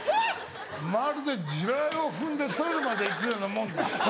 まるで地雷を踏んでトイレまで行くようなもんです。